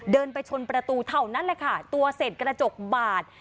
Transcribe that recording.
เดินไปชนประตูเท่านั้นแหละค่ะตัวเสร็จกระจกบาด